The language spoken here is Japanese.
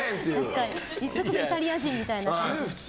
確かにイタリア人みたいな感じ。